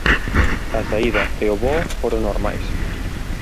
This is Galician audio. A saída e o voo foron normais.